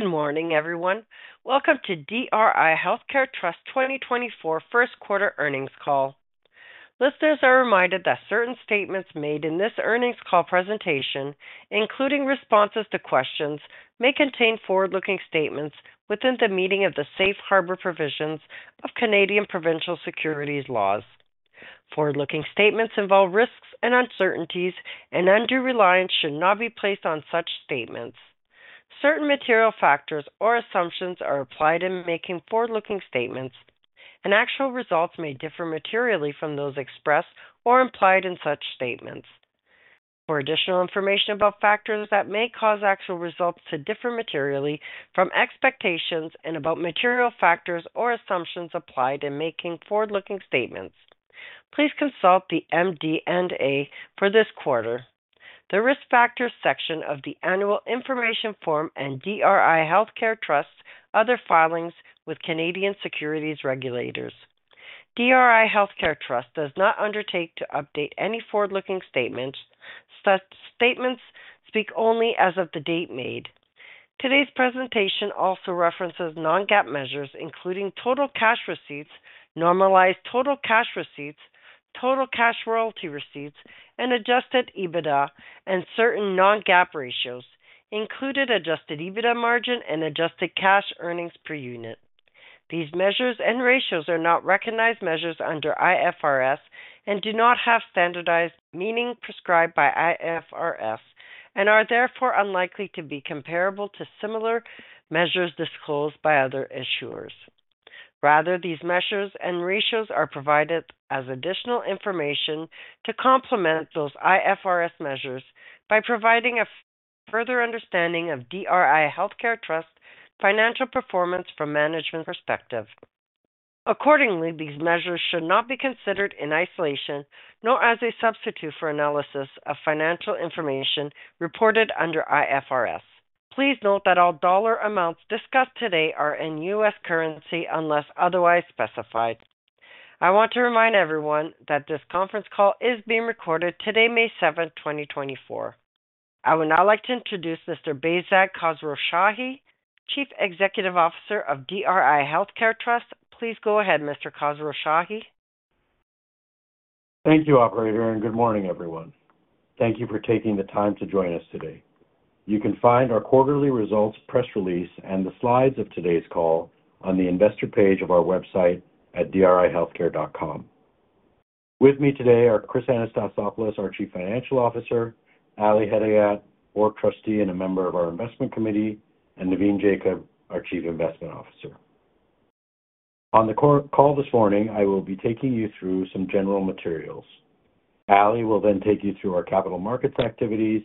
Good morning, everyone. Welcome to DRI Healthcare Trust 2024 first quarter earnings call. Listeners are reminded that certain statements made in this earnings call presentation, including responses to questions, may contain forward-looking statements within the meaning of the safe harbor provisions of Canadian Provincial Securities laws. Forward-looking statements involve risks and uncertainties, and undue reliance should not be placed on such statements. Certain material factors or assumptions are applied in making forward-looking statements, and actual results may differ materially from those expressed or implied in such statements. For additional information about factors that may cause actual results to differ materially from expectations and about material factors or assumptions applied in making forward-looking statements, please consult the MD&A for this quarter, the Risk Factors section of the Annual Information Form, and DRI Healthcare Trust other filings with Canadian securities regulators. DRI Healthcare Trust does not undertake to update any forward-looking statements. Such statements speak only as of the date made. Today's presentation also references non-GAAP measures, including total cash receipts, normalized total cash receipts, total cash royalty receipts, and adjusted EBITDA, and certain non-GAAP ratios, including adjusted EBITDA margin and adjusted cash earnings per unit. These measures and ratios are not recognized measures under IFRS and do not have standardized meaning prescribed by IFRS, and are therefore unlikely to be comparable to similar measures disclosed by other issuers. Rather, these measures and ratios are provided as additional information to complement those IFRS measures by providing a further understanding of DRI Healthcare Trust financial performance from a management perspective. Accordingly, these measures should not be considered in isolation, nor as a substitute for analysis of financial information reported under IFRS. Please note that all dollar amounts discussed today are in U.S. currency, unless otherwise specified. I want to remind everyone that this conference call is being recorded today, May 7th, 2024. I would now like to introduce Mr. Behzad Khosrowshahi, Chief Executive Officer of DRI Healthcare Trust. Please go ahead, Mr. Khosrowshahi. Thank you, operator, and good morning, everyone. Thank you for taking the time to join us today. You can find our quarterly results, press release, and the slides of today's call on the investor page of our website at drihealthcare.com. With me today are Chris Anastasopoulos, our Chief Financial Officer, Ali Hedayat, Board Trustee, and a member of our investment committee, and Navin Jacob, our Chief Investment Officer. On the call this morning, I will be taking you through some general materials. Ali will then take you through our capital markets activities,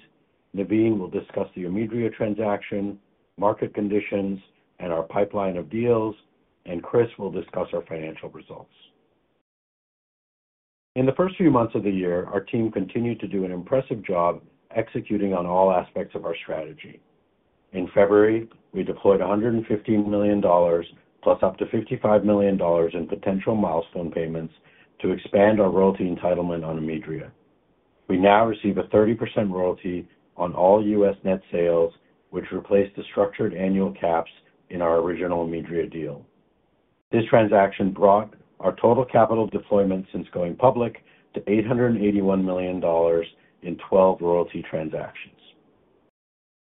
Navin will discuss the OMIDRIA transaction, market conditions, and our pipeline of deals, and Chris will discuss our financial results. In the first few months of the year, our team continued to do an impressive job executing on all aspects of our strategy. In February, we deployed $115 million, plus up to $55 million in potential milestone payments to expand our royalty entitlement on OMIDRIA. We now receive a 30% royalty on all U.S. net sales, which replaced the structured annual caps in our original OMIDRIA deal. This transaction brought our total capital deployment since going public to $881 million in 12 royalty transactions.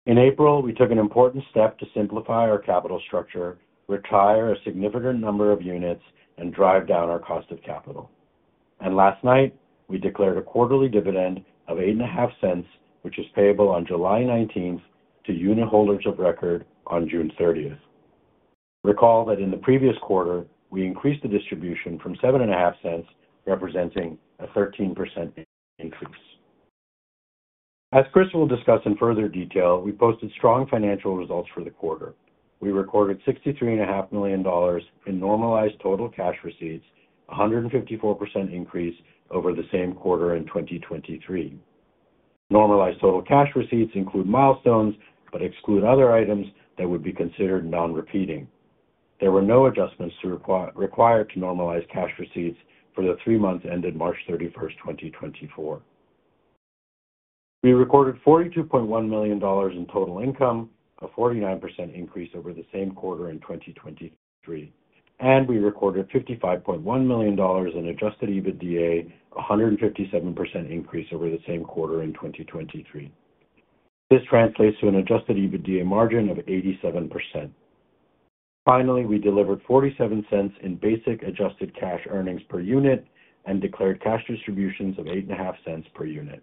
In April, we took an important step to simplify our capital structure, retire a significant number of units, and drive down our cost of capital. Last night, we declared a quarterly dividend of $0.085, which is payable on July 19th to unitholders of record on June 30th. Recall that in the previous quarter, we increased the distribution from $0.075, representing a 13% increase. As Chris will discuss in further detail, we posted strong financial results for the quarter. We recorded $63.5 million in normalized total cash receipts, a 154% increase over the same quarter in 2023. Normalized total cash receipts include milestones, but exclude other items that would be considered non-repeating. There were no adjustments required to normalize cash receipts for the three months ended March 31st, 2024. We recorded $42.1 million in total income, a 49% increase over the same quarter in 2023, and we recorded $55.1 million in adjusted EBITDA, a 157% increase over the same quarter in 2023. This translates to an adjusted EBITDA margin of 87%. Finally, we delivered $0.47 in basic adjusted cash earnings per unit and declared cash distributions of $0.085 per unit.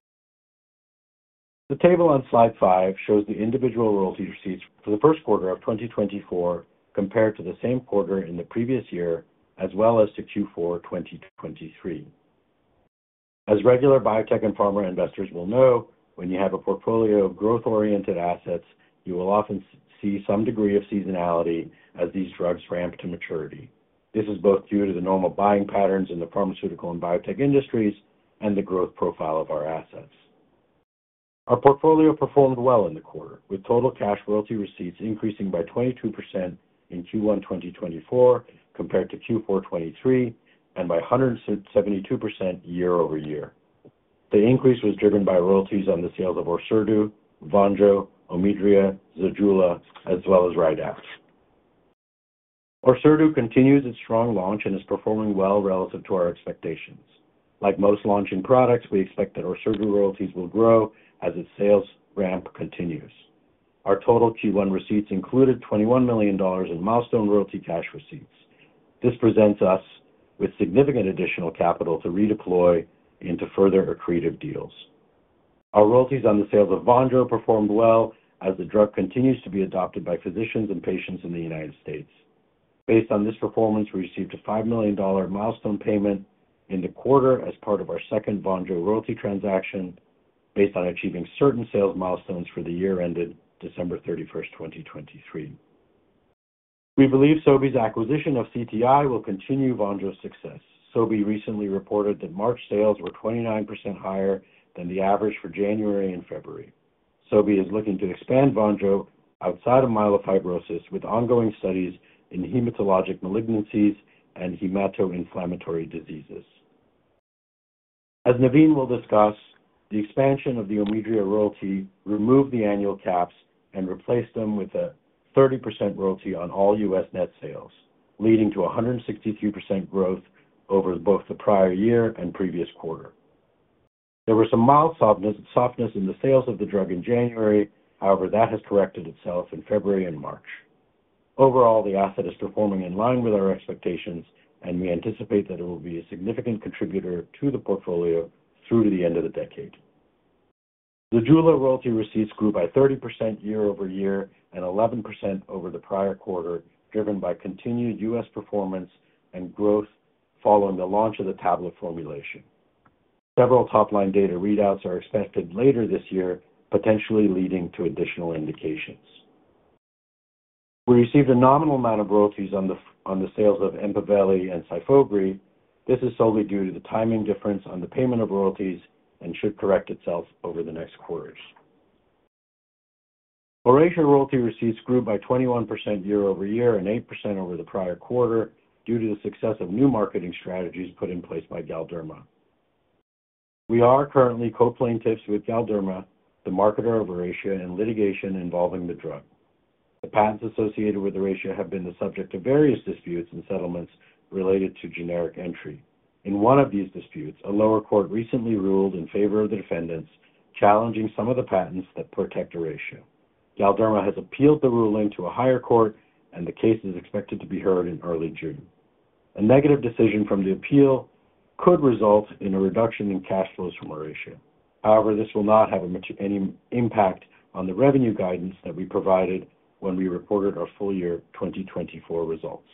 The table on slide 5 shows the individual royalty receipts for the first quarter of 2024 compared to the same quarter in the previous year, as well as to Q4 2023. As regular biotech and pharma investors will know, when you have a portfolio of growth-oriented assets, you will often see some degree of seasonality as these drugs ramp to maturity. This is both due to the normal buying patterns in the pharmaceutical and biotech industries and the growth profile of our assets. Our portfolio performed well in the quarter, with total cash royalty receipts increasing by 22% in Q1 2024, compared to Q4 2023, and by 172% year-over-year. The increase was driven by royalties on the sales of ORSERDU, VONJO, OMIDRIA, ZEJULA, as well as RYDAPT. ORSERDU continues its strong launch and is performing well relative to our expectations. Like most launching products, we expect that ORSERDU royalties will grow as its sales ramp continues. Our total Q1 receipts included $21 million in milestone royalty cash receipts. This presents us with significant additional capital to redeploy into further accretive deals. Our royalties on the sales of VONJO performed well, as the drug continues to be adopted by physicians and patients in the United States. Based on this performance, we received a $5 million milestone payment in the quarter as part of our second VONJO royalty transaction, based on achieving certain sales milestones for the year ended December 31st, 2023. We believe Sobi's acquisition of CTI will continue VONJO's success. Sobi recently reported that March sales were 29% higher than the average for January and February. Sobi is looking to expand VONJO outside of myelofibrosis, with ongoing studies in hematologic malignancies and hematologic inflammatory diseases. As Navin will discuss, the expansion of the OMIDRIA royalty removed the annual caps and replaced them with a 30% royalty on all U.S. net sales, leading to a 163% growth over both the prior year and previous quarter. There was some mild softness in the sales of the drug in January. However, that has corrected itself in February and March. Overall, the asset is performing in line with our expectations, and we anticipate that it will be a significant contributor to the portfolio through to the end of the decade. ZEJULA royalty receipts grew by 30% year-over-year and 11% over the prior quarter, driven by continued U.S. performance and growth following the launch of the tablet formulation. Several top-line data readouts are expected later this year, potentially leading to additional indications. We received a nominal amount of royalties on the, on the sales of EMPAVELI and SYFOVRE. This is solely due to the timing difference on the payment of royalties and should correct itself over the next quarters. ORACEA royalty receipts grew by 21% year-over-year and 8% over the prior quarter, due to the success of new marketing strategies put in place by Galderma. We are currently co-plaintiffs with Galderma, the marketer of ORACEA, in litigation involving the drug. The patents associated with ORACEA have been the subject of various disputes and settlements related to generic entry. In one of these disputes, a lower court recently ruled in favor of the defendants, challenging some of the patents that protect ORACEA. Galderma has appealed the ruling to a higher court, and the case is expected to be heard in early June. A negative decision from the appeal could result in a reduction in cash flows from ORACEA. However, this will not have much of any impact on the revenue guidance that we provided when we reported our full-year 2024 results.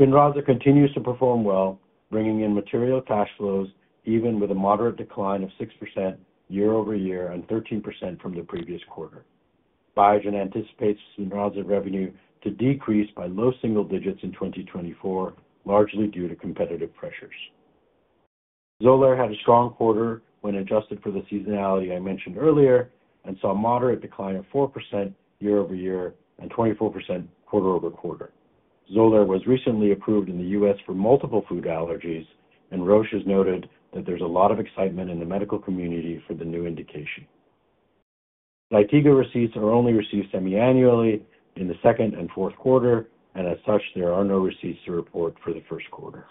SPINRAZA continues to perform well, bringing in material cash flows, even with a moderate decline of 6% year-over-year and 13% from the previous quarter. Biogen anticipates SPINRAZA revenue to decrease by low single digits in 2024, largely due to competitive pressures. XOLAIR had a strong quarter when adjusted for the seasonality I mentioned earlier, and saw a moderate decline of 4% year-over-year and 24% quarter-over-quarter. XOLAIR was recently approved in the U.S. for multiple food allergies, and Roche has noted that there's a lot of excitement in the medical community for the new indication. ZYTIGA receipts are only received semiannually in the second and fourth quarter, and as such, there are no receipts to report for the first quarter.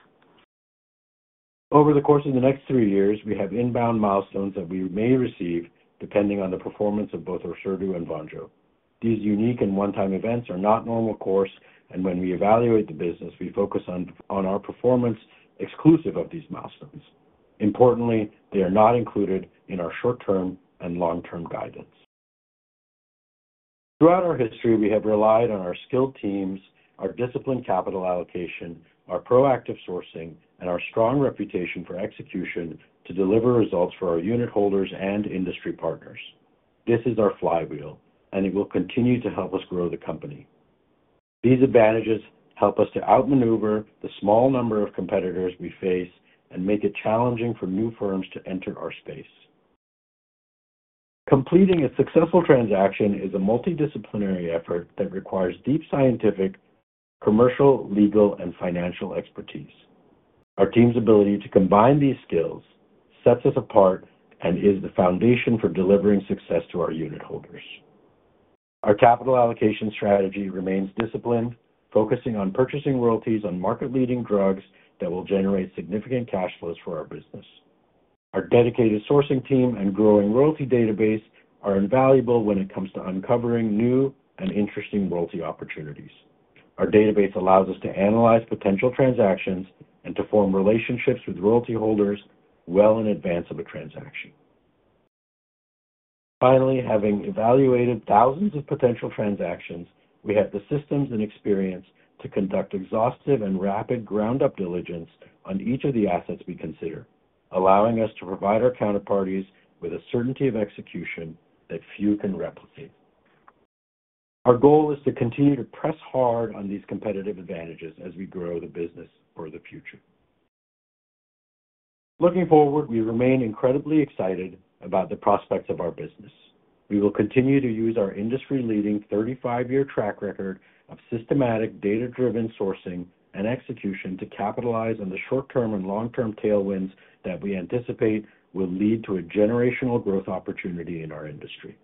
Over the course of the next three years, we have inbound milestones that we may receive, depending on the performance of both ORSERDU and VONJO. These unique and one-time events are not normal course, and when we evaluate the business, we focus on our performance exclusive of these milestones. Importantly, they are not included in our short-term and long-term guidance. Throughout our history, we have relied on our skilled teams, our disciplined capital allocation, our proactive sourcing, and our strong reputation for execution to deliver results for our unitholders and industry partners. This is our flywheel, and it will continue to help us grow the company. These advantages help us to outmaneuver the small number of competitors we face and make it challenging for new firms to enter our space. Completing a successful transaction is a multidisciplinary effort that requires deep scientific, commercial, legal, and financial expertise. Our team's ability to combine these skills sets us apart and is the foundation for delivering success to our unitholders. Our capital allocation strategy remains disciplined, focusing on purchasing royalties on market-leading drugs that will generate significant cash flows for our business. Our dedicated sourcing team and growing royalty database are invaluable when it comes to uncovering new and interesting royalty opportunities. Our database allows us to analyze potential transactions and to form relationships with royalty holders well in advance of a transaction. Finally, having evaluated thousands of potential transactions, we have the systems and experience to conduct exhaustive and rapid ground-up diligence on each of the assets we consider, allowing us to provide our counterparties with a certainty of execution that few can replicate. Our goal is to continue to press hard on these competitive advantages as we grow the business for the future. Looking forward, we remain incredibly excited about the prospects of our business. We will continue to use our industry-leading 35-year track record of systematic, data-driven sourcing and execution to capitalize on the short-term and long-term tailwinds that we anticipate will lead to a generational growth opportunity in our industry.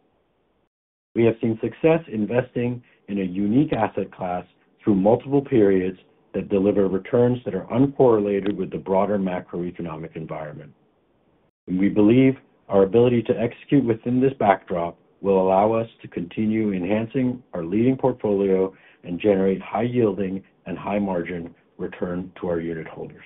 We have seen success investing in a unique asset class through multiple periods that deliver returns that are uncorrelated with the broader macroeconomic environment. We believe our ability to execute within this backdrop will allow us to continue enhancing our leading portfolio and generate high yielding and high margin return to our unit holders.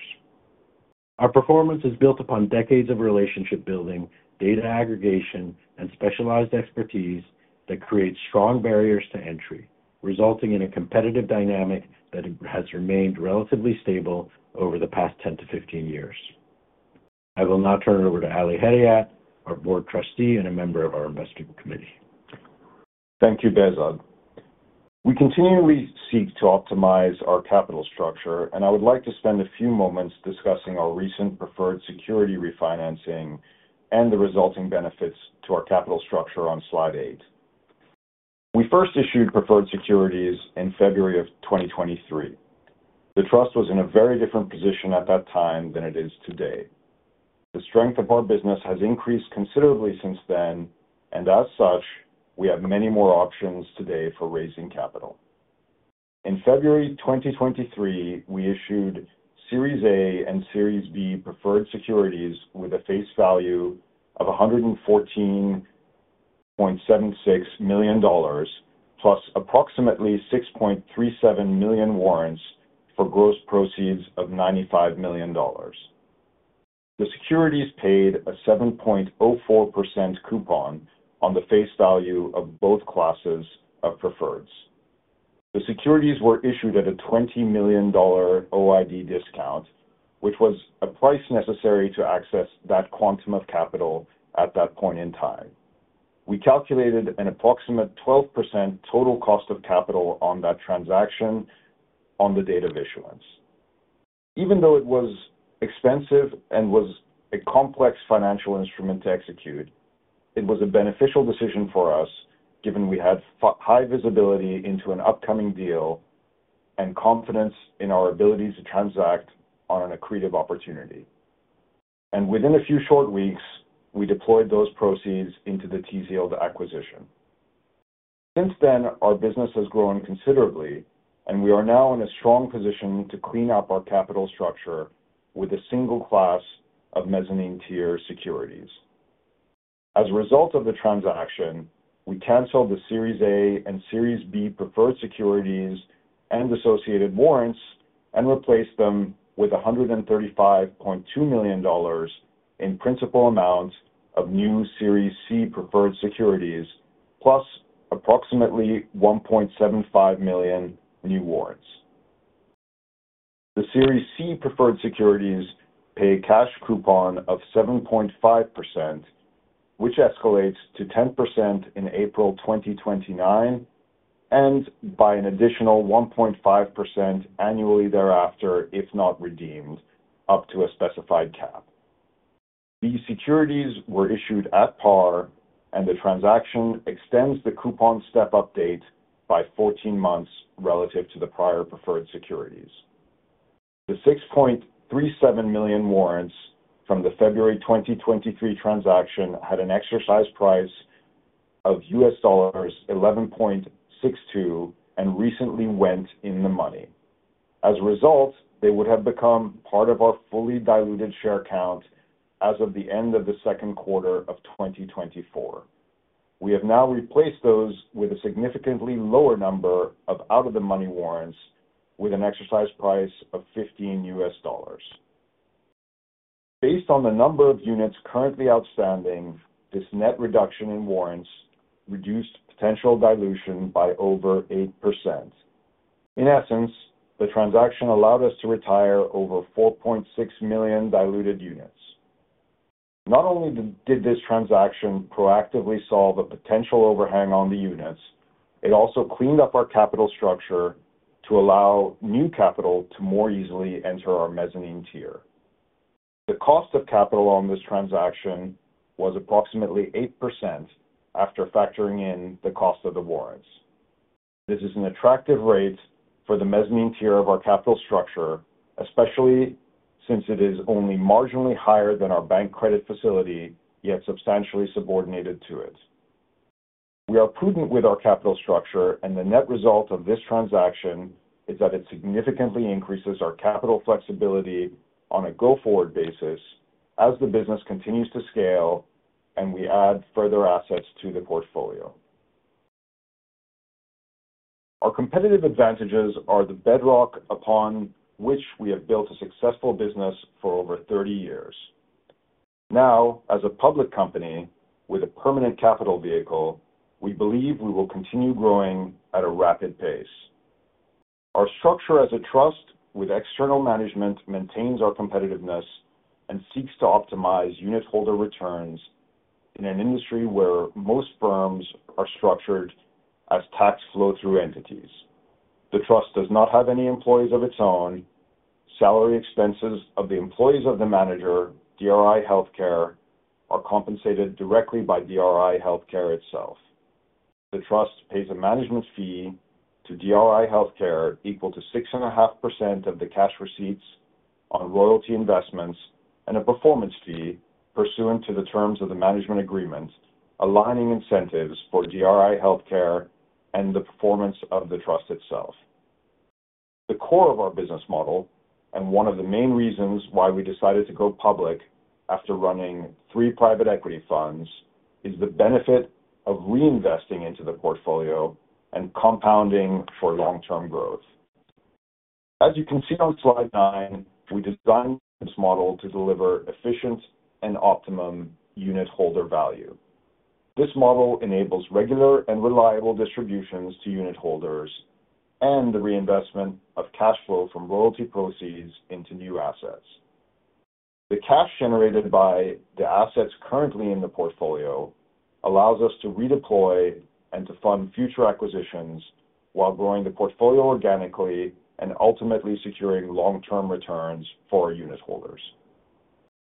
Our performance is built upon decades of relationship building, data aggregation, and specialized expertise that creates strong barriers to entry, resulting in a competitive dynamic that has remained relatively stable over the past 10-15 years. I will now turn it over to Ali Hedayat, our Board Trustee, and a member of our investment committee. Thank you, Behzad. We continually seek to optimize our capital structure, and I would like to spend a few moments discussing our recent preferred security refinancing and the resulting benefits to our capital structure on slide eight. We first issued preferred securities in February 2023. The trust was in a very different position at that time than it is today. The strength of our business has increased considerably since then, and as such, we have many more options today for raising capital. In February 2023, we issued Series A and Series B Preferred Securities with a face value of $114.76 million, plus approximately 6.37 million warrants for gross proceeds of $95 million. The securities paid a 7.04% coupon on the face value of both classes of preferreds. The securities were issued at a $20 million OID discount, which was a price necessary to access that quantum of capital at that point in time. We calculated an approximate 12% total cost of capital on that transaction on the date of issuance. Even though it was expensive and was a complex financial instrument to execute, it was a beneficial decision for us, given we had high visibility into an upcoming deal and confidence in our ability to transact on an accretive opportunity. Within a few short weeks, we deployed those proceeds into the TZIELD acquisition. Since then, our business has grown considerably, and we are now in a strong position to clean up our capital structure with a single class of mezzanine-tier securities. As a result of the transaction, we canceled the Series A and Series B Preferred Securities and associated warrants and replaced them with $135.2 million in principal amounts of new Series C Preferred Securities, plus approximately 1.75 million new warrants. The Series C Preferred Securities pay a cash coupon of 7.5%, which escalates to 10% in April 2029, and by an additional 1.5% annually thereafter, if not redeemed, up to a specified cap. These securities were issued at par, and the transaction extends the coupon step-up date by 14 months relative to the prior preferred securities. The 6.37 million warrants from the February 2023 transaction had an exercise price of $11.62, and recently went in the money. As a result, they would have become part of our fully diluted share count as of the end of the second quarter of 2024. We have now replaced those with a significantly lower number of out-of-the-money warrants, with an exercise price of $15. Based on the number of units currently outstanding, this net reduction in warrants reduced potential dilution by over 8%. In essence, the transaction allowed us to retire over 4.6 million diluted units. Not only did this transaction proactively solve a potential overhang on the units, it also cleaned up our capital structure to allow new capital to more easily enter our mezzanine tier. The cost of capital on this transaction was approximately 8% after factoring in the cost of the warrants. This is an attractive rate for the mezzanine tier of our capital structure, especially since it is only marginally higher than our bank credit facility, yet substantially subordinated to it. We are prudent with our capital structure, and the net result of this transaction is that it significantly increases our capital flexibility on a go-forward basis as the business continues to scale and we add further assets to the portfolio. Our competitive advantages are the bedrock upon which we have built a successful business for over 30 years. Now, as a public company with a permanent capital vehicle, we believe we will continue growing at a rapid pace. Our structure as a trust with external management maintains our competitiveness and seeks to optimize unitholder returns in an industry where most firms are structured as tax flow-through entities. The Trust does not have any employees of its own. Salary expenses of the employees of the manager, DRI Healthcare, are compensated directly by DRI Healthcare itself. The Trust pays a management fee to DRI Healthcare equal to 6.5% of the cash receipts on royalty investments, and a performance fee pursuant to the terms of the management agreement, aligning incentives for DRI Healthcare and the performance of the Trust itself. The core of our business model, and one of the main reasons why we decided to go public after running three private equity funds, is the benefit of reinvesting into the portfolio and compounding for long-term growth. As you can see on slide 9, we designed this model to deliver efficient and optimum unitholder value. This model enables regular and reliable distributions to unitholders and the reinvestment of cash flow from royalty proceeds into new assets. The cash generated by the assets currently in the portfolio allows us to redeploy and to fund future acquisitions while growing the portfolio organically and ultimately securing long-term returns for our unitholders.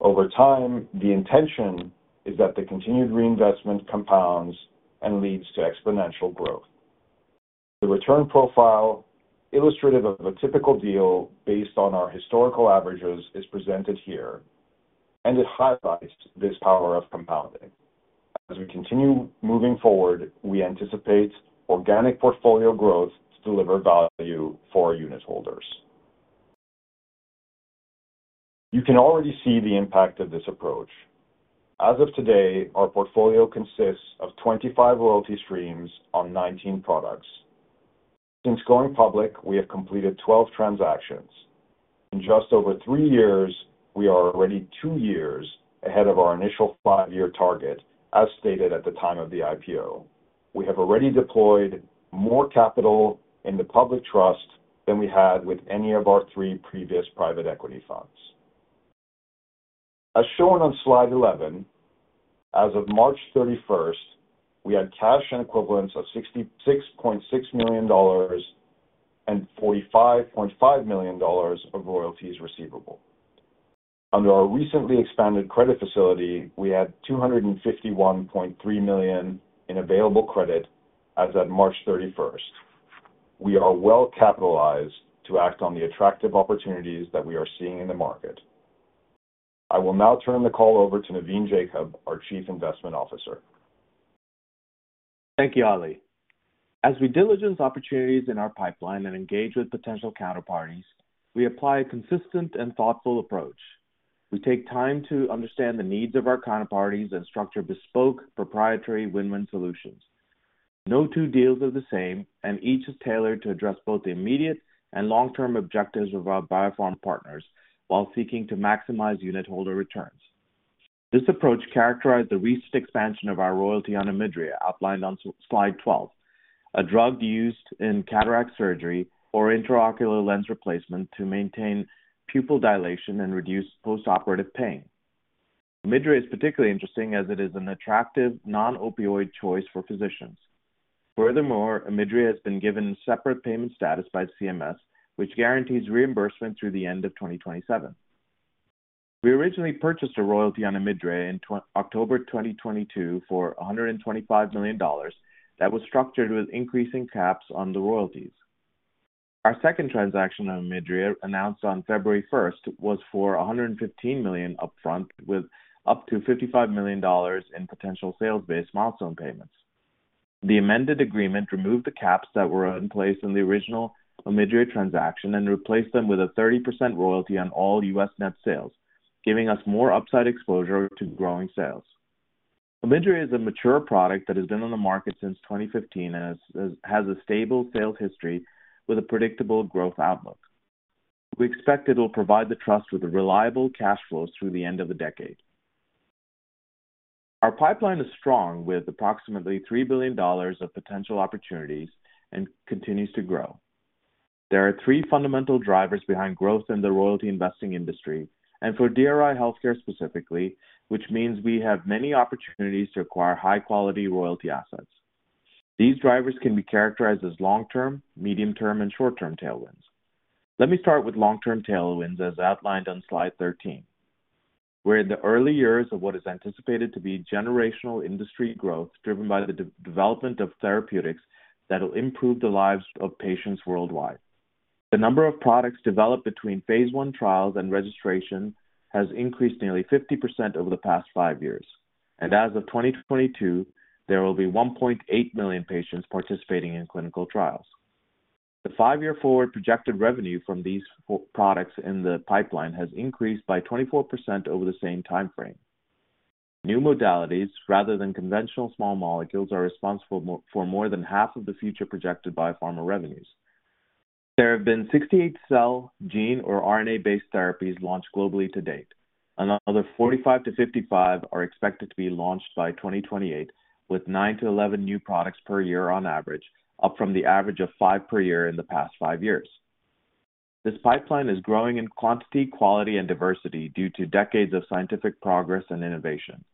Over time, the intention is that the continued reinvestment compounds and leads to exponential growth. The return profile illustrative of a typical deal based on our historical averages is presented here, and it highlights this power of compounding. As we continue moving forward, we anticipate organic portfolio growth to deliver value for our unitholders. You can already see the impact of this approach. As of today, our portfolio consists of 25 royalty streams on 19 products. Since going public, we have completed 12 transactions. In just over three years, we are already two years ahead of our initial five-year target, as stated at the time of the IPO. We have already deployed more capital in the public trust than we had with any of our three previous private equity funds. As shown on slide 11, as of March 31st, we had cash and equivalents of $66.6 million and $45.5 million of royalties receivable. Under our recently expanded credit facility, we had $251.3 million in available credit as of March 31st. We are well capitalized to act on the attractive opportunities that we are seeing in the market. I will now turn the call over to Navin Jacob, our Chief Investment Officer. Thank you, Ali. As we diligence opportunities in our pipeline and engage with potential counterparties, we apply a consistent and thoughtful approach. We take time to understand the needs of our counterparties and structure bespoke, proprietary, win-win solutions. No two deals are the same, and each is tailored to address both the immediate and long-term objectives of our biopharma partners, while seeking to maximize unitholder returns. This approach characterized the recent expansion of our royalty on OMIDRIA, outlined on slide 12, a drug used in cataract surgery or intraocular lens replacement to maintain pupil dilation and reduce postoperative pain. OMIDRIA is particularly interesting as it is an attractive non-opioid choice for physicians. Furthermore, OMIDRIA has been given separate payment status by CMS, which guarantees reimbursement through the end of 2027. We originally purchased a royalty on OMIDRIA in October 2022 for $125 million that was structured with increasing caps on the royalties. Our second transaction on OMIDRIA, announced on February 1st, was for $115 million upfront, with up to $55 million in potential sales-based milestone payments. The amended agreement removed the caps that were in place in the original OMIDRIA transaction and replaced them with a 30% royalty on all U.S. net sales, giving us more upside exposure to growing sales. OMIDRIA is a mature product that has been on the market since 2015 and has a stable sales history with a predictable growth outlook. We expect it will provide the Trust with reliable cash flows through the end of the decade. Our pipeline is strong, with approximately $3 billion of potential opportunities and continues to grow. There are three fundamental drivers behind growth in the royalty investing industry, and for DRI Healthcare specifically, which means we have many opportunities to acquire high-quality royalty assets. These drivers can be characterized as long-term, medium-term, and short-term tailwinds. Let me start with long-term tailwinds, as outlined on slide 13. We're in the early years of what is anticipated to be generational industry growth, driven by the development of therapeutics that will improve the lives of patients worldwide. The number of products developed between phase I trials and registration has increased nearly 50% over the past five years, and as of 2022, there will be 1.8 million patients participating in clinical trials. The five-year forward projected revenue from these four products in the pipeline has increased by 24% over the same time frame. New modalities, rather than conventional small molecules, are responsible for more than half of the future projected biopharma revenues. There have been 68 cell, gene, or RNA-based therapies launched globally to date. Another 45-55 are expected to be launched by 2028, with 9-11 new products per year on average, up from the average of five per year in the past five years. This pipeline is growing in quantity, quality, and diversity due to decades of scientific progress and innovation.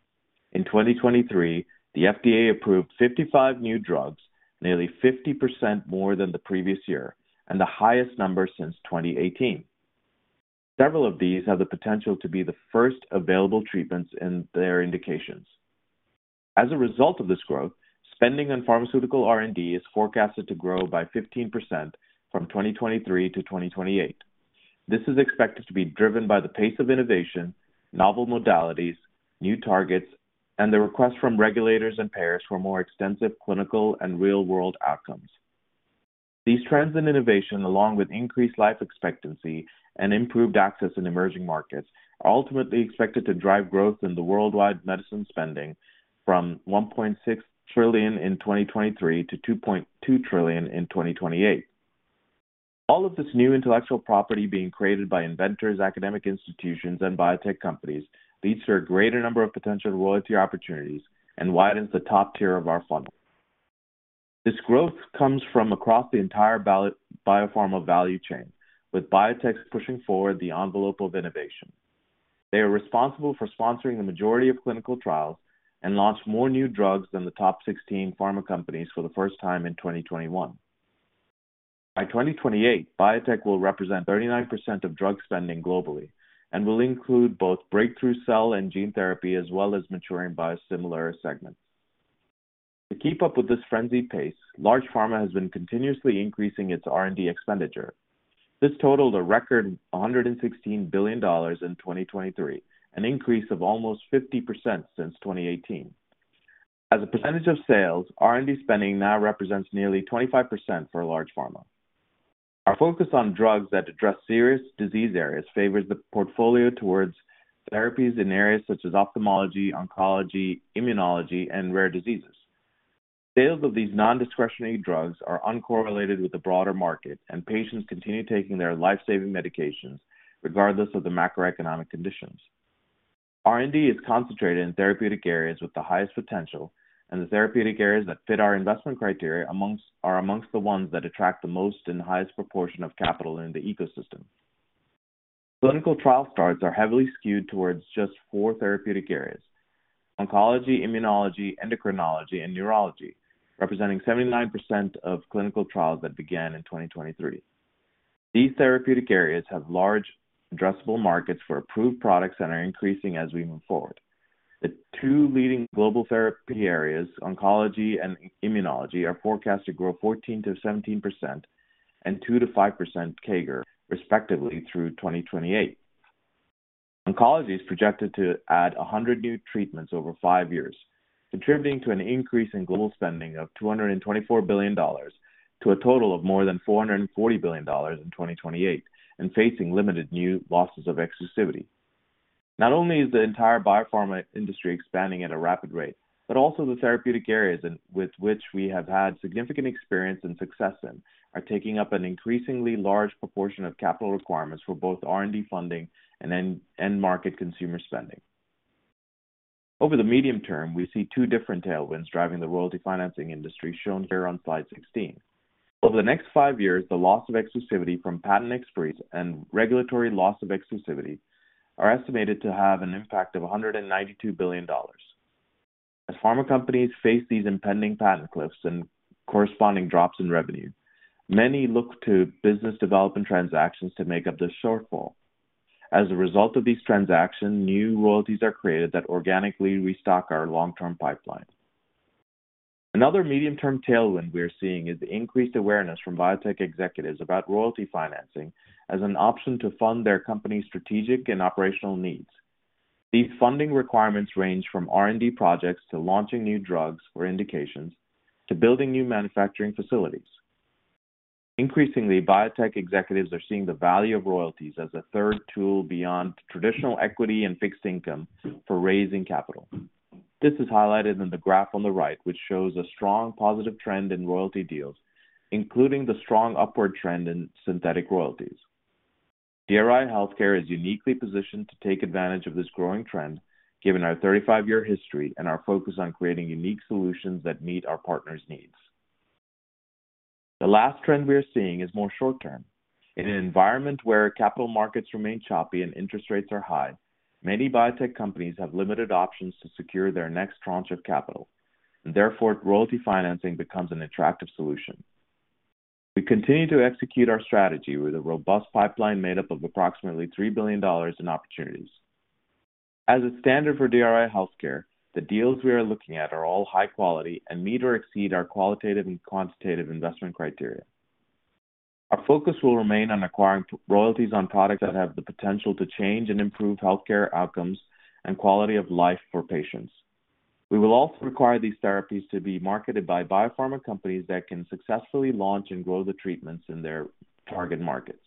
In 2023, the FDA approved 55 new drugs, nearly 50% more than the previous year, and the highest number since 2018. Several of these have the potential to be the first available treatments in their indications. As a result of this growth, spending on pharmaceutical R&D is forecasted to grow by 15% from 2023 to 2028. This is expected to be driven by the pace of innovation, novel modalities, new targets, and the request from regulators and payers for more extensive clinical and real-world outcomes. These trends and innovation, along with increased life expectancy and improved access in emerging markets, are ultimately expected to drive growth in the worldwide medicine spending from $1.6 trillion in 2023 to $2.2 trillion in 2028. All of this new intellectual property being created by inventors, academic institutions, and biotech companies leads to a greater number of potential royalty opportunities and widens the top tier of our funnel. This growth comes from across the entire biopharma value chain, with biotechs pushing forward the envelope of innovation. They are responsible for sponsoring the majority of clinical trials and launched more new drugs than the top 16 pharma companies for the first time in 2021. By 2028, biotech will represent 39% of drug spending globally and will include both breakthrough cell and gene therapy, as well as maturing biosimilar segments. To keep up with this frenzy pace, large pharma has been continuously increasing its R&D expenditure. This totaled a record $116 billion in 2023, an increase of almost 50% since 2018. As a percentage of sales, R&D spending now represents nearly 25% for large pharma. Our focus on drugs that address serious disease areas favors the portfolio towards therapies in areas such as ophthalmology, oncology, immunology, and rare diseases. Sales of these non-discretionary drugs are uncorrelated with the broader market, and patients continue taking their life-saving medications regardless of the macroeconomic conditions. R&D is concentrated in therapeutic areas with the highest potential, and the therapeutic areas that fit our investment criteria amongst are amongst the ones that attract the most and highest proportion of capital in the ecosystem. Clinical trial starts are heavily skewed towards just four therapeutic areas: oncology, immunology, endocrinology, and neurology, representing 79% of clinical trials that began in 2023. These therapeutic areas have large addressable markets for approved products and are increasing as we move forward. The two leading global therapy areas, oncology and immunology, are forecast to grow 14%-17% and 2%-5% CAGR, respectively, through 2028. Oncology is projected to add 100 new treatments over five years, contributing to an increase in global spending of $224 billion to a total of more than $440 billion in 2028 and facing limited new losses of exclusivity. Not only is the entire biopharma industry expanding at a rapid rate, but also the therapeutic areas with which we have had significant experience and success in, are taking up an increasingly large proportion of capital requirements for both R&D funding and end market consumer spending. Over the medium term, we see two different tailwinds driving the royalty financing industry, shown here on slide 16. Over the next five years, the loss of exclusivity from patent expiries and regulatory loss of exclusivity are estimated to have an impact of $192 billion. As pharma companies face these impending patent cliffs and corresponding drops in revenue, many look to business development transactions to make up the shortfall. As a result of these transactions, new royalties are created that organically restock our long-term pipeline. Another medium-term tailwind we are seeing is increased awareness from biotech executives about royalty financing as an option to fund their company's strategic and operational needs. These funding requirements range from R&D projects to launching new drugs or indications, to building new manufacturing facilities. Increasingly, biotech executives are seeing the value of royalties as a third tool beyond traditional equity and fixed income for raising capital. This is highlighted in the graph on the right, which shows a strong positive trend in royalty deals, including the strong upward trend in synthetic royalties. DRI Healthcare is uniquely positioned to take advantage of this growing trend, given our 35-year history and our focus on creating unique solutions that meet our partners' needs. The last trend we are seeing is more short term. In an environment where capital markets remain choppy and interest rates are high, many biotech companies have limited options to secure their next tranche of capital, and therefore royalty financing becomes an attractive solution. We continue to execute our strategy with a robust pipeline made up of approximately $3 billion in opportunities. As a standard for DRI Healthcare, the deals we are looking at are all high quality and meet or exceed our qualitative and quantitative investment criteria. Our focus will remain on acquiring royalties on products that have the potential to change and improve healthcare outcomes and quality of life for patients. We will also require these therapies to be marketed by biopharma companies that can successfully launch and grow the treatments in their target markets.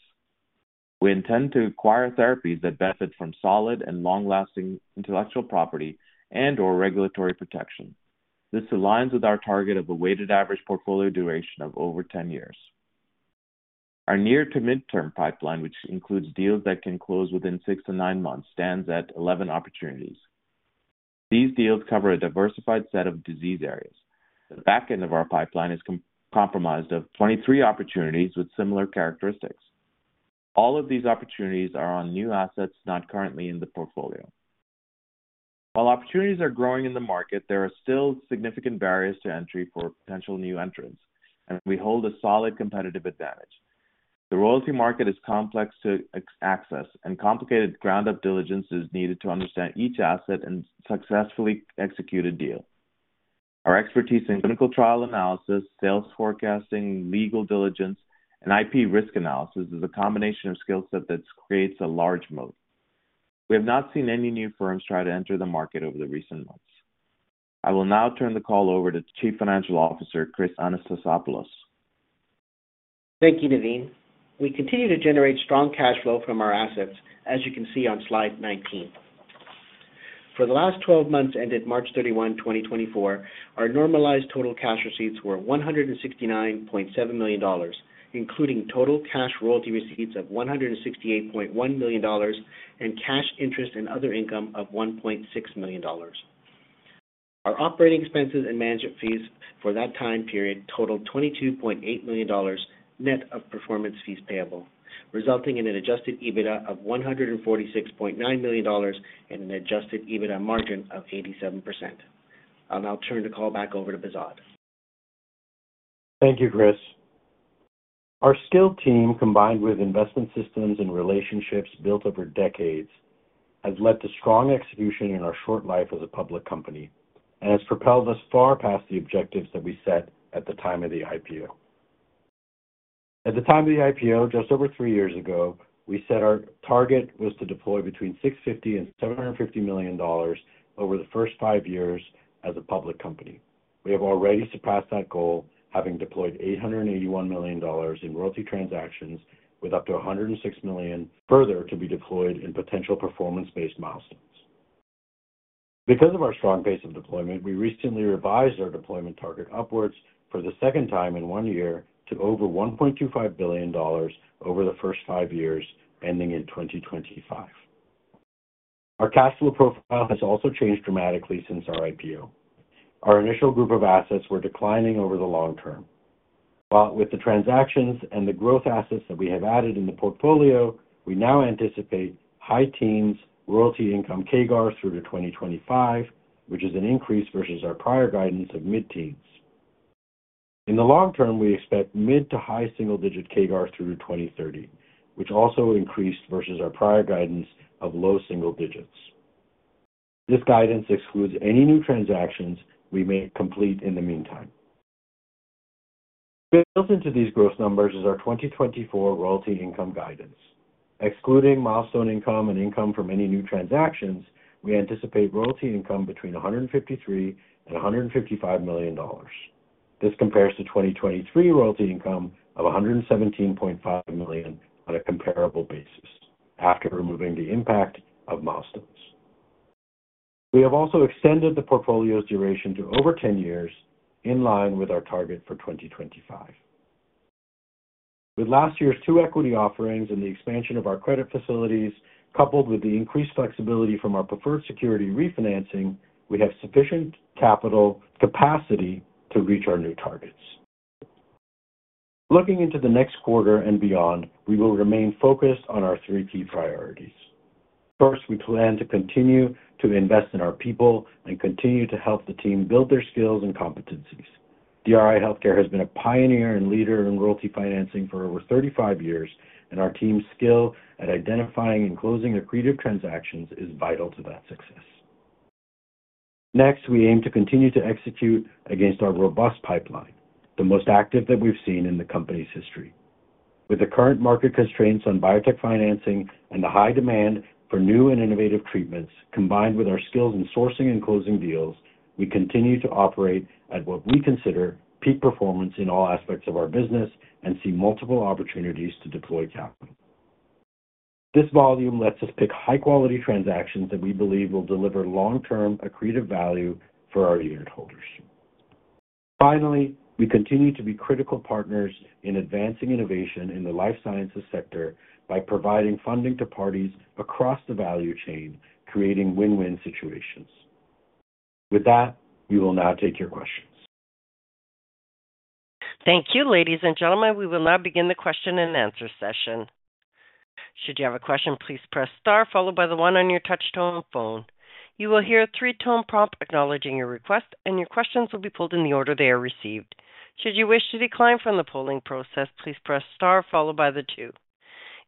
We intend to acquire therapies that benefit from solid and long-lasting intellectual property and/or regulatory protection. This aligns with our target of a weighted average portfolio duration of over 10 years. Our near- to mid-term pipeline, which includes deals that can close within six to nine months, stands at 11 opportunities. These deals cover a diversified set of disease areas. The back end of our pipeline is comprised of 23 opportunities with similar characteristics. All of these opportunities are on new assets not currently in the portfolio. While opportunities are growing in the market, there are still significant barriers to entry for potential new entrants, and we hold a solid competitive advantage. The royalty market is complex to access, and complicated ground-up diligence is needed to understand each asset and successfully execute a deal. Our expertise in clinical trial analysis, sales forecasting, legal diligence, and IP risk analysis is a combination of skill set that creates a large moat. We have not seen any new firms try to enter the market over the recent months. I will now turn the call over to Chief Financial Officer, Chris Anastasopoulos. Thank you, Navin. We continue to generate strong cash flow from our assets, as you can see on slide 19. For the last 12 months, ended March 31, 2024, our normalized total cash receipts were $169.7 million, including total cash royalty receipts of $168.1 million and cash interest and other income of $1.6 million. Our operating expenses and management fees for that time period totaled $22.8 million, net of performance fees payable, resulting in an adjusted EBITDA of $146.9 million and an adjusted EBITDA margin of 87%. I'll now turn the call back over to Behzad. Thank you, Chris. Our skilled team, combined with investment systems and relationships built over decades, has led to strong execution in our short life as a public company and has propelled us far past the objectives that we set at the time of the IPO. At the time of the IPO, just over three years ago, we said our target was to deploy between $650 million and $750 million over the first five years as a public company. We have already surpassed that goal, having deployed $881 million in royalty transactions, with up to $106 million further to be deployed in potential performance-based milestones. Because of our strong pace of deployment, we recently revised our deployment target upwards for the second time in one year to over $1.25 billion over the first five years, ending in 2025. Our cash flow profile has also changed dramatically since our IPO. Our initial group of assets were declining over the long term, but with the transactions and the growth assets that we have added in the portfolio, we now anticipate high teens royalty income CAGRs through to 2025, which is an increase versus our prior guidance of mid-teens. In the long term, we expect mid- to high single-digit CAGR through to 2030, which also increased versus our prior guidance of low single digits. This guidance excludes any new transactions we may complete in the meantime. Built into these growth numbers is our 2024 royalty income guidance. Excluding milestone income and income from any new transactions, we anticipate royalty income between $153 million and $155 million. This compares to 2023 royalty income of $117.5 million on a comparable basis after removing the impact of milestones. We have also extended the portfolio's duration to over 10 years, in line with our target for 2025. With last year's two equity offerings and the expansion of our credit facilities, coupled with the increased flexibility from our preferred security refinancing, we have sufficient capital capacity to reach our new targets. Looking into the next quarter and beyond, we will remain focused on our three key priorities. First, we plan to continue to invest in our people and continue to help the team build their skills and competencies. DRI Healthcare has been a pioneer and leader in royalty financing for over 35 years, and our team's skill at identifying and closing accretive transactions is vital to that success. Next, we aim to continue to execute against our robust pipeline, the most active that we've seen in the company's history. With the current market constraints on biotech financing and the high demand for new and innovative treatments, combined with our skills in sourcing and closing deals, we continue to operate at what we consider peak performance in all aspects of our business and see multiple opportunities to deploy capital. This volume lets us pick high-quality transactions that we believe will deliver long-term accretive value for our unitholders. Finally, we continue to be critical partners in advancing innovation in the life sciences sector by providing funding to parties across the value chain, creating win-win situations. With that, we will now take your questions. Thank you, ladies and gentlemen. We will now begin the question-and-answer session. Should you have a question, please press star followed by the one on your touch-tone phone. You will hear a three-tone prompt acknowledging your request, and your questions will be pulled in the order they are received. Should you wish to decline from the polling process, please press star followed by the two.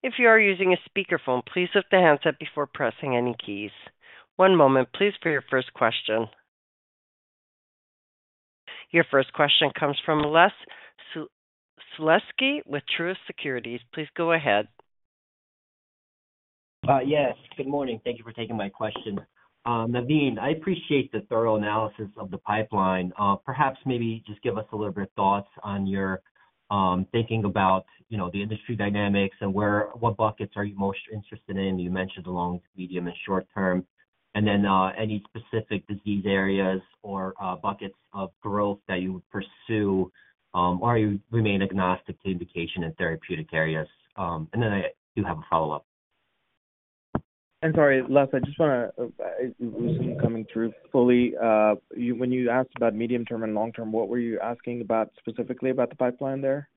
If you are using a speakerphone, please lift the handset before pressing any keys. One moment, please, for your first question. Your first question comes from Les Sulewski with Truist Securities. Please go ahead. Yes, good morning. Thank you for taking my question. Navin, I appreciate the thorough analysis of the pipeline. Perhaps, maybe just give us a little bit of thoughts on your thinking about, you know, the industry dynamics and where—what buckets are you most interested in. You mentioned the long, medium, and short term, and then any specific disease areas or buckets of growth that you would pursue, or you remain agnostic to indication in therapeutic areas? And then I do have a follow-up. I'm sorry, Les, I just wanna, it wasn't coming through fully. You, when you asked about medium-term and long-term, what were you asking about, specifically about the pipeline there?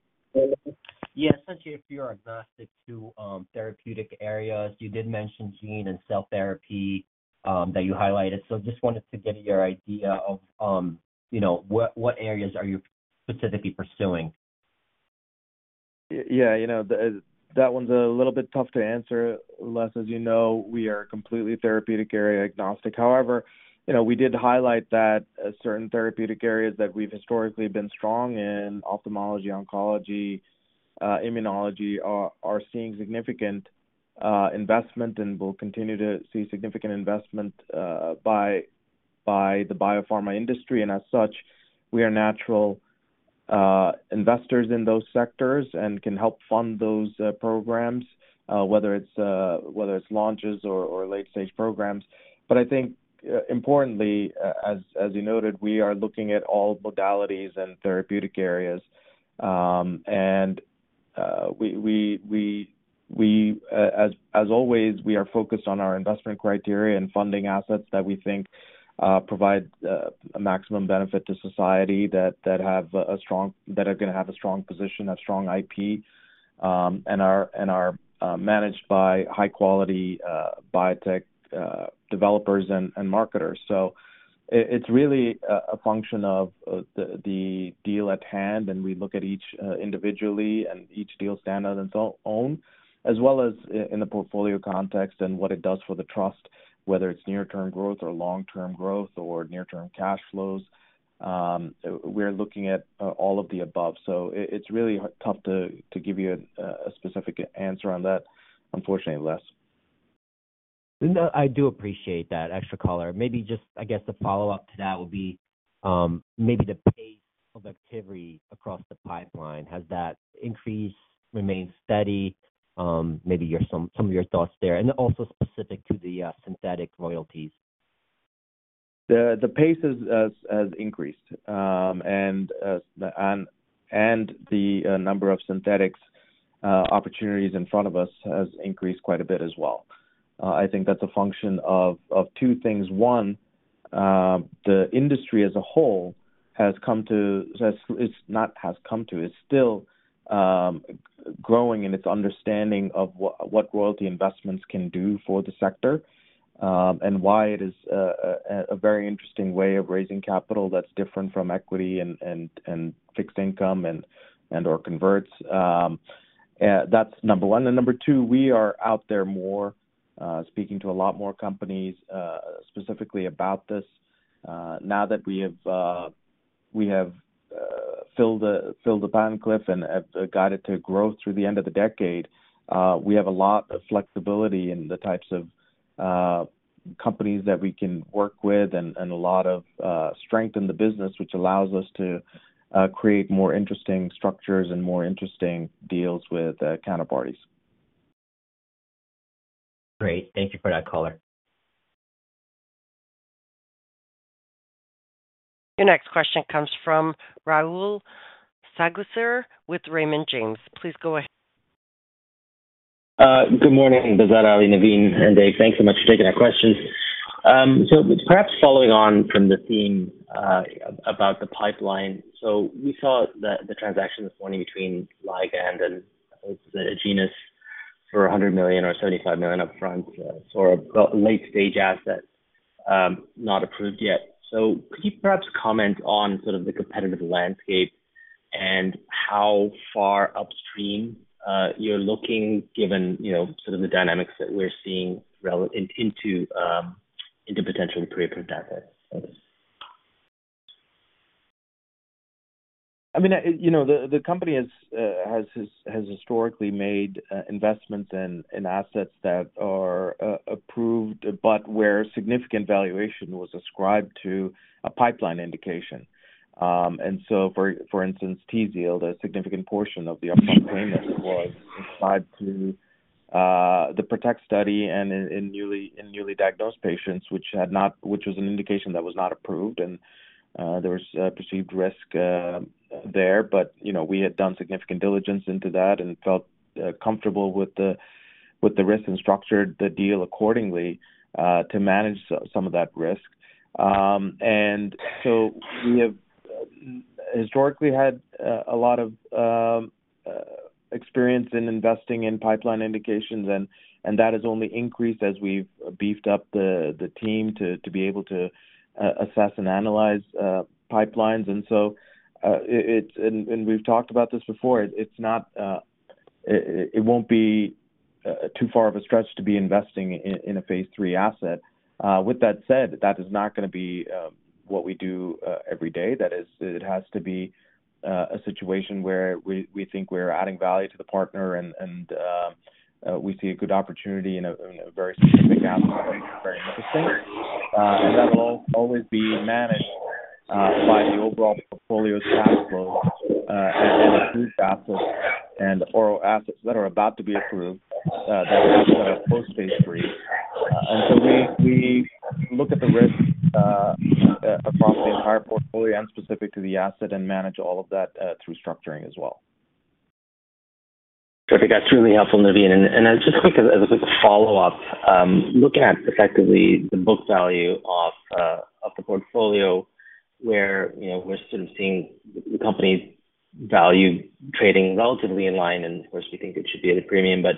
Yeah, essentially, if you're agnostic to therapeutic areas, you did mention gene and cell therapy that you highlighted. So just wanted to get your idea of, you know, what areas are you specifically pursuing? Yeah, you know, the, that one's a little bit tough to answer, Les. As you know, we are completely therapeutic area agnostic. However, you know, we did highlight that certain therapeutic areas that we've historically been strong in, ophthalmology, oncology, immunology, are seeing significant investment and will continue to see significant investment, by the biopharma industry. And as such, we are natural investors in those sectors and can help fund those programs, whether it's launches or late-stage programs. But I think, importantly, as you noted, we are looking at all modalities and therapeutic areas. And we, as always, we are focused on our investment criteria and funding assets that we think provide a maximum benefit to society, that have a strong— That are gonna have a strong position, a strong IP, and are managed by high quality biotech developers and marketers. So it's really a function of the deal at hand, and we look at each individually and each deal stand on its own, as well as in the portfolio context and what it does for the trust, whether it's near-term growth or long-term growth or near-term cash flows. We're looking at all of the above, so it's really tough to give you a specific answer on that, unfortunately, Les. No, I do appreciate that extra color. Maybe just, I guess the follow-up to that would be, maybe the pace of activity across the pipeline. Has that increased, remained steady? Maybe some of your thoughts there, and also specific to the synthetic royalties. The pace has increased, and the number of synthetics opportunities in front of us has increased quite a bit as well. I think that's a function of two things. One, the industry as a whole has come to—it's not has come to, it's still growing in its understanding of what royalty investments can do for the sector, and why it is a very interesting way of raising capital that's different from equity and fixed income and/or converts. That's number one. And number two, we are out there more, speaking to a lot more companies, specifically about this. Now that we have filled the pipeline cliff and have got it to growth through the end of the decade, we have a lot of flexibility in the types of companies that we can work with and a lot of strength in the business, which allows us to create more interesting structures and more interesting deals with counterparties. Great. Thank you for that color. Your next question comes from Rahul Sarugaser with Raymond James. Please go ahead. Good morning, Behzad, Ali, Navin, and David. Thanks so much for taking our questions. So perhaps following on from the theme about the pipeline. So we saw the transaction this morning between Ligand and Agenus for $100 million or $75 million upfront for a late-stage asset, not approved yet. So could you perhaps comment on sort of the competitive landscape and how far upstream you're looking, given, you know, sort of the dynamics that we're seeing into potentially pre-approved assets? I mean, you know, the company has historically made investments in assets that are approved, but where significant valuation was ascribed to a pipeline indication. So for instance, TZIELD, a significant portion of the upfront payment was ascribed to the PROTECT study and in newly diagnosed patients, which was an indication that was not approved, and there was a perceived risk there. But, you know, we had done significant diligence into that and felt comfortable with the risk and structured the deal accordingly to manage some of that risk. And so we have historically had a lot of experience in investing in pipeline indications, and that has only increased as we've beefed up the team to be able to assess and analyze pipelines. And so, and we've talked about this before, it's not too far of a stretch to be investing in a phase three asset. With that said, that is not gonna be what we do every day. That is, it has to be a situation where we think we're adding value to the partner and we see a good opportunity in a very specific asset that is very interesting. That will always be managed by the overall portfolio's cash flows, and approved assets, and oral assets that are about to be approved, that are post phase three. And so we look at the risk across the entire portfolio and specific to the asset and manage all of that through structuring as well. Perfect. That's really helpful, Navin. And just as a quick follow-up, looking at effectively the book value of the portfolio where, you know, we're sort of seeing the company's value trading relatively in line, and of course, we think it should be at a premium. But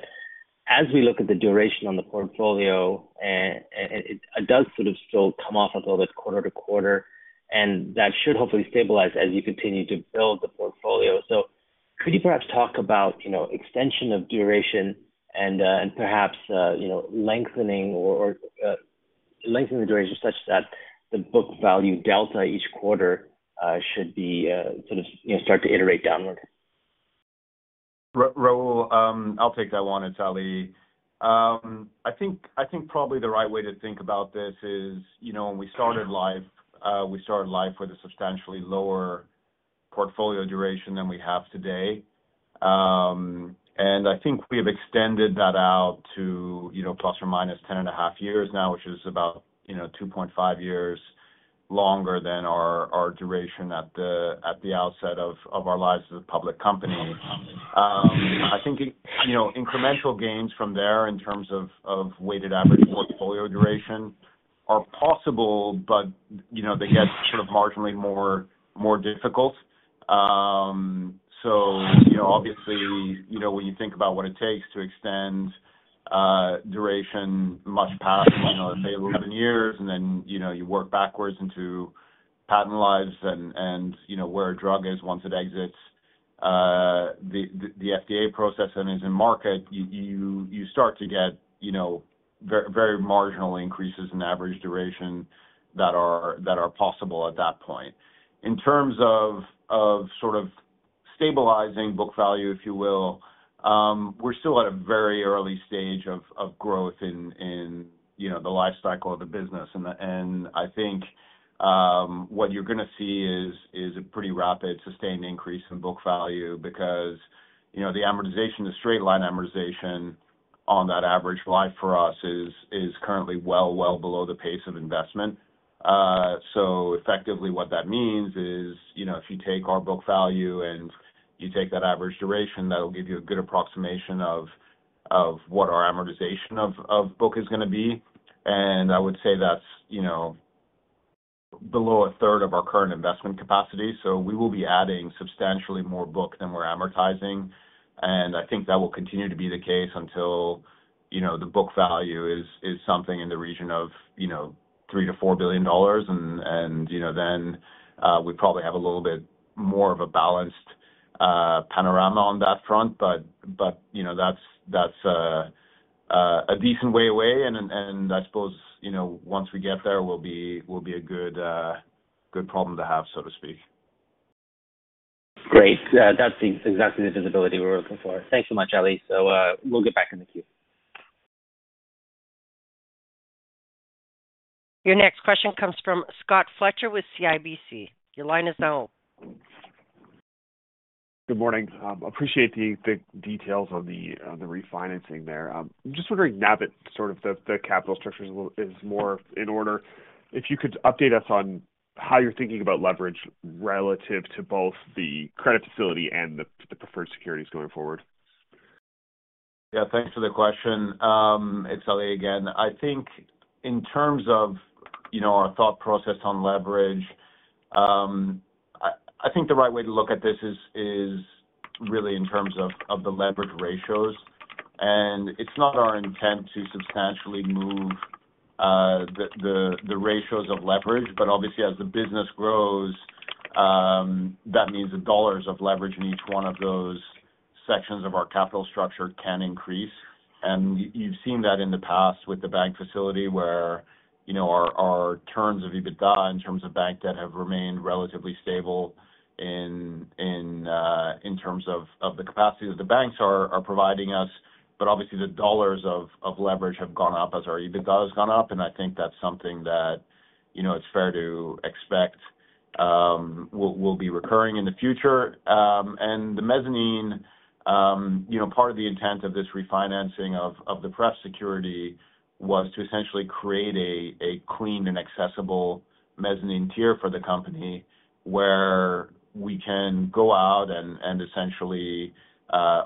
as we look at the duration on the portfolio, and it does sort of still come off a little bit quarter-to-quarter, and that should hopefully stabilize as you continue to build the portfolio. So could you perhaps talk about, you know, extension of duration and perhaps lengthening or lengthening the duration such that the book value delta each quarter should be sort of you know start to iterate downward? Rahul, I'll take that one, it's Ali. I think probably the right way to think about this is, you know, when we started live, we started live with a substantially lower portfolio duration than we have today. And I think we have extended that out to, you know, ±10.5 years now, which is about, you know, 2.5 years longer than our duration at the outset of our lives as a public company. I think, you know, incremental gains from there in terms of weighted average portfolio duration are possible, but, you know, they get sort of marginally more difficult. So, you know, obviously, you know, when you think about what it takes to extend duration much past, you know, say, 11 years, and then, you know, you work backwards into patent lives and, and, you know, where a drug is once it exits the FDA process and is in market, you start to get, you know, very marginal increases in average duration that are possible at that point. In terms of sort of stabilizing book value, if you will, we're still at a very early stage of growth in the life cycle of the business. I think what you're gonna see is a pretty rapid, sustained increase in book value because, you know, the amortization, the straight-line amortization on that average life for us is currently well below the pace of investment. So effectively, what that means is, you know, if you take our book value and you take that average duration, that'll give you a good approximation of what our amortization of book is gonna be. And I would say that's, you know, below 1/3 of our current investment capacity, so we will be adding substantially more book than we're amortizing. And I think that will continue to be the case until, you know, the book value is something in the region of, you know, $3 billion-$4 billion. You know, then we probably have a little bit more of a balanced panorama on that front. But you know, that's a decent way away, and then I suppose, you know, once we get there, we'll be a good problem to have, so to speak. Great. That's exactly the visibility we're looking for. Thanks so much, Ali. So, we'll get back in the queue. Your next question comes from Scott Fletcher with CIBC. Your line is now open. Good morning. Appreciate the details on the refinancing there. Just wondering now that sort of the capital structure is a little more in order, if you could update us on how you're thinking about leverage relative to both the credit facility and the preferred securities going forward. Yeah, thanks for the question. It's Ali again. I think in terms of, you know, our thought process on leverage, I think the right way to look at this is really in terms of the leverage ratios. It's not our intent to substantially move the ratios of leverage, but obviously, as the business grows, that means the dollars of leverage in each one of those sections of our capital structure can increase. You've seen that in the past with the bank facility, where, you know, our terms of EBITDA in terms of bank debt have remained relatively stable in terms of the capacity that the banks are providing us. But obviously, the dollars of, of leverage have gone up as our EBITDA has gone up, and I think that's something that, you know, it's fair to expect, will, will be recurring in the future. And the mezzanine, you know, part of the intent of this refinancing of, of the pref security was to essentially create a, a clean and accessible mezzanine tier for the company, where we can go out and, and essentially,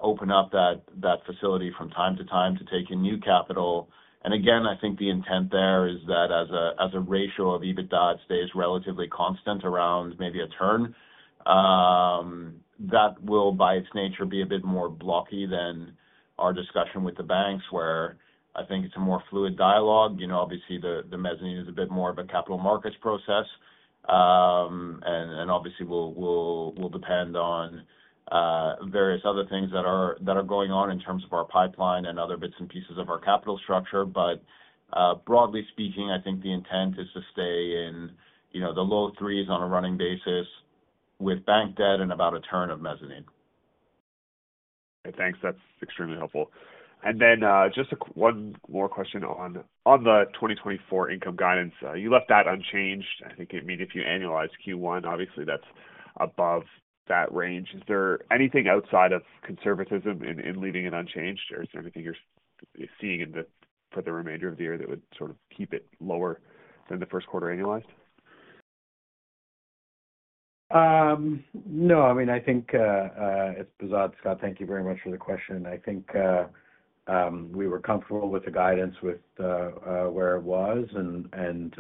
open up that, that facility from time to time to take in new capital. And again, I think the intent there is that as a, as a ratio of EBITDA, it stays relatively constant around maybe a turn. That will, by its nature, be a bit more blocky than our discussion with the banks, where I think it's a more fluid dialogue. You know, obviously, the mezzanine is a bit more of a capital markets process. And obviously, will depend on various other things that are going on in terms of our pipeline and other bits and pieces of our capital structure. But, broadly speaking, I think the intent is to stay in, you know, the low threes on a running basis with bank debt and about a turn of mezzanine. Thanks. That's extremely helpful. And then, just one more question on the 2024 income guidance. You left that unchanged. I think it mean, if you annualize Q1, obviously that's above that range. Is there anything outside of conservatism in leaving it unchanged, or is there anything you're seeing for the remainder of the year that would sort of keep it lower than the first quarter annualized? No, I mean, I think it's Behzad, Scott. Thank you very much for the question. I think we were comfortable with the guidance with where it was, and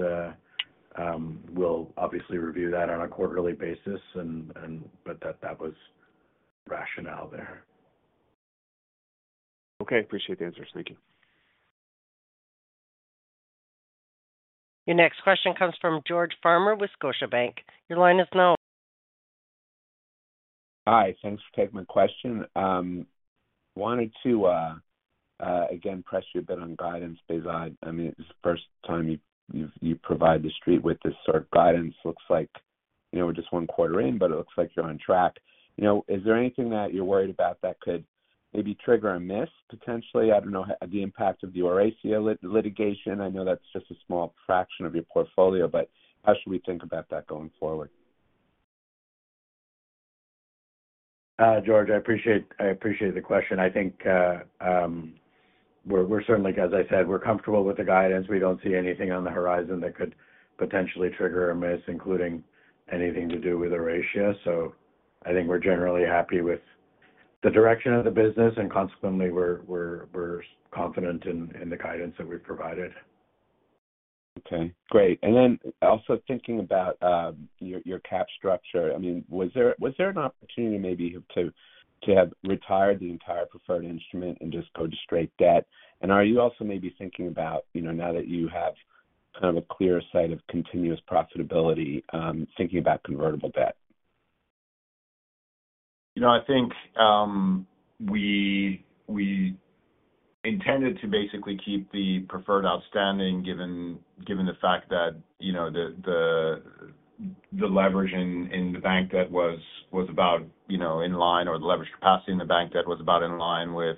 we'll obviously review that on a quarterly basis, but that was rationale there. Okay. Appreciate the answers. Thank you. Your next question comes from George Farmer with Scotiabank. Your line is now— Hi, thanks for taking my question. Wanted to again press you a bit on guidance, Behzad. I mean, it's the first time you've provided the Street with this sort of guidance. Looks like, you know, we're just one quarter in, but it looks like you're on track. You know, is there anything that you're worried about that could maybe trigger a miss, potentially? I don't know, the impact of the ORACEA litigation. I know that's just a small fraction of your portfolio, but how should we think about that going forward? George, I appreciate, I appreciate the question. I think, we're, we're certainly—as I said, we're comfortable with the guidance. We don't see anything on the horizon that could potentially trigger a miss, including anything to do with ORACEA. So I think we're generally happy with the direction of the business, and consequently, we're, we're, we're confident in, in the guidance that we've provided. Okay, great. And then also thinking about your cap structure. I mean, was there an opportunity maybe to have retired the entire preferred instrument and just go to straight debt? And are you also maybe thinking about, you know, now that you have kind of a clear sight of continuous profitability, thinking about convertible debt? You know, I think, we intended to basically keep the preferred outstanding, given the fact that, you know, the leverage in the bank debt was about, you know, in line, or the leverage capacity in the bank debt was about in line with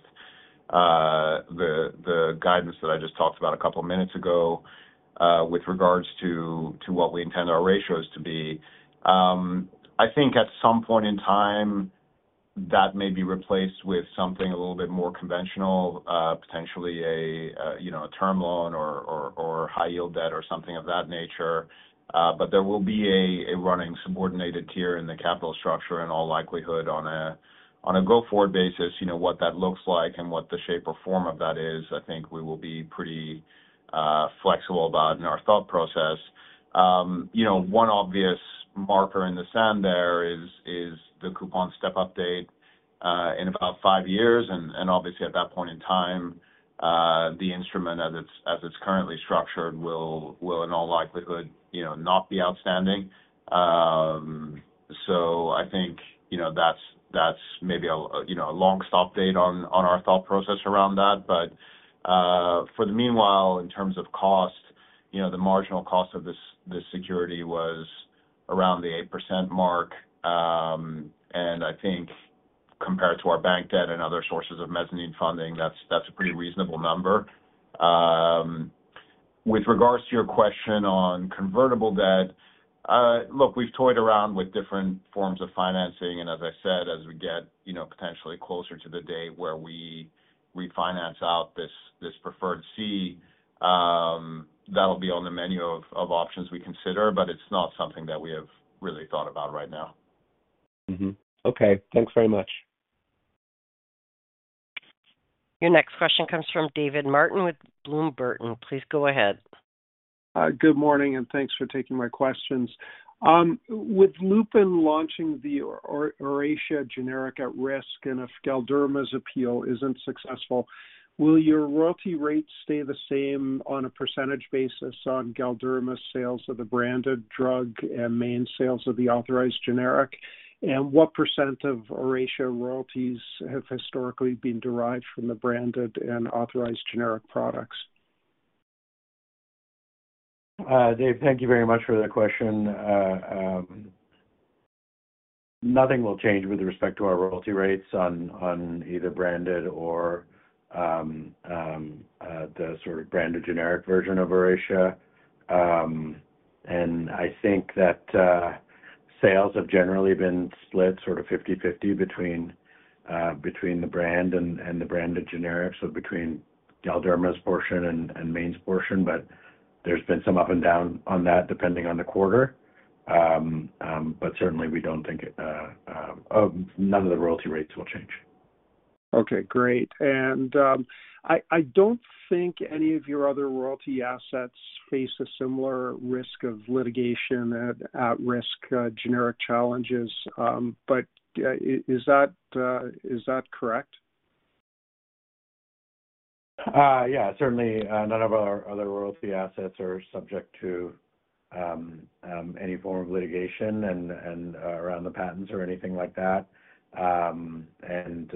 the guidance that I just talked about a couple of minutes ago, with regards to what we intend our ratios to be. I think at some point in time, that may be replaced with something a little bit more conventional, potentially a, you know, a term loan or high-yield debt or something of that nature. But there will be a running subordinated tier in the capital structure in all likelihood. On a go-forward basis, you know, what that looks like and what the shape or form of that is, I think we will be pretty flexible about in our thought process. You know, one obvious marker in the sand there is the coupon step-up date in about five years, and obviously at that point in time, the instrument as it's currently structured, will in all likelihood, you know, not be outstanding. So I think, you know, that's maybe a long stop date on our thought process around that. But for the meanwhile, in terms of cost, you know, the marginal cost of this security was around the 8% mark. And I think compared to our bank debt and other sources of mezzanine funding, that's a pretty reasonable number. With regards to your question on convertible debt, look, we've toyed around with different forms of financing, and as I said, as we get, you know, potentially closer to the date where we refinance out this Preferred C, that'll be on the menu of options we consider, but it's not something that we have really thought about right now. Mm-hmm. Okay, thanks very much. Your next question comes from David Martin with Bloom Burton. Please go ahead. Good morning, and thanks for taking my questions. With Lupin launching the ORACEA generic at risk, and if Galderma's appeal isn't successful, will your royalty rates stay the same on a percentage basis on Galderma's sales of the branded drug and main sales of the authorized generic? What percent of ORACEA royalties have historically been derived from the branded and authorized generic products? Dave, thank you very much for that question. Nothing will change with respect to our royalty rates on either branded or the sort of branded generic version of ORACEA. And I think that sales have generally been split sort of 50/50 between the brand and the branded generics, so between Galderma's portion and Mayne's portion, but there's been some up and down on that, depending on the quarter. But certainly we don't think none of the royalty rates will change. Okay, great. I don't think any of your other royalty assets face a similar risk of litigation or at-risk generic challenges, but is that correct? Yeah, certainly, none of our other royalty assets are subject to any form of litigation and around the patents or anything like that. And,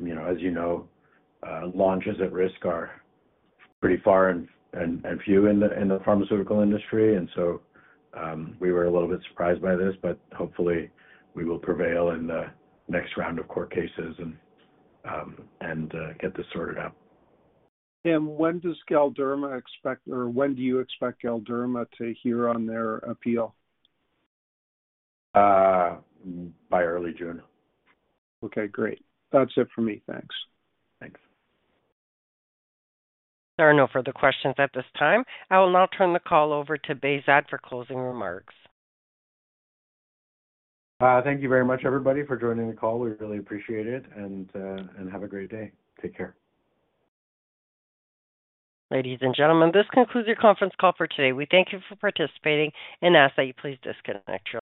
you know, as you know, launches at risk are pretty far and few in the pharmaceutical industry, and so, we were a little bit surprised by this, but hopefully, we will prevail in the next round of court cases and get this sorted out. When does Galderma expect or when do you expect Galderma to hear on their appeal? By early June. Okay, great. That's it for me. Thanks. Thanks. There are no further questions at this time. I will now turn the call over to Behzad for closing remarks. Thank you very much, everybody, for joining the call. We really appreciate it, and, and have a great day. Take care. Ladies and gentlemen, this concludes your conference call for today. We thank you for participating and ask that you please disconnect your—